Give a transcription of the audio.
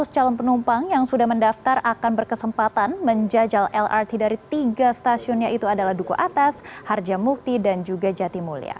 enam ratus calon penumpang yang sudah mendaftar akan berkesempatan menjajal lrt dari tiga stasiun yaitu duku atas harja mukti dan jatimulia